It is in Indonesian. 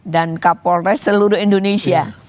dan kapolres seluruh indonesia